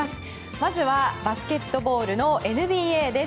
まずはバスケットボールのＮＢＡです。